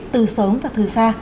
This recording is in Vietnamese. từ sớm và từ xa